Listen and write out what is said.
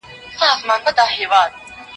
د قدرت دپاره هر يو تر لاس تېر وو